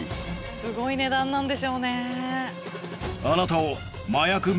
すごい値段なんでしょうね。